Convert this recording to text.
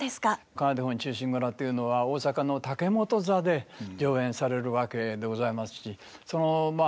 「仮名手本忠臣蔵」というのは大坂の竹本座で上演されるわけでございますしまあ